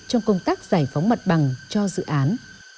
trong công tác giải phóng mặt bằng cho dự án